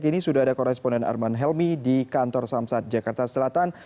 kini sudah ada koresponden arman helmi di kantor samsat jakarta selatan